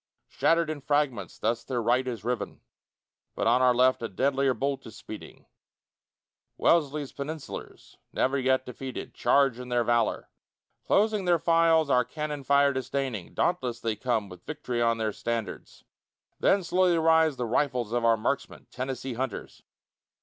Shattered in fragments, thus their right is riven; But on our left a deadlier bolt is speeding: Wellesley's Peninsulars, never yet defeated, Charge in their valor. Closing their files, our cannon fire disdaining, Dauntless they come with vict'ry on their standards; Then slowly rise the rifles of our marksmen, Tennessee hunters.